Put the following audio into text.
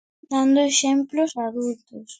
Dando exemplo os adultos.